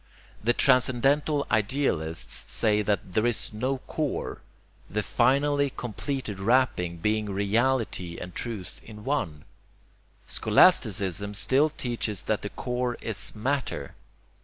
The transcendental idealists say there is no core, the finally completed wrapping being reality and truth in one. Scholasticism still teaches that the core is 'matter.'